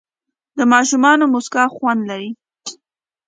د ماشومانو موسکا خوند لري.